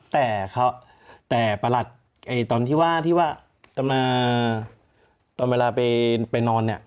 อยู่ครับแต่ประหลัดตอนที่ว่าตอนเวลาไปนอนเนี่ย